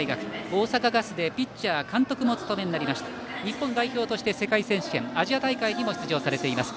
大阪ガスでピッチャー監督もお務めになりました日本代表として世界選手権アジア大会にも出場されています